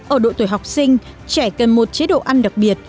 ở độ tuổi học sinh trẻ cần một chế độ ăn đặc biệt